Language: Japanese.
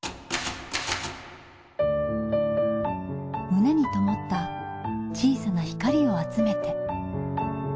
胸にともった小さな光を集めて。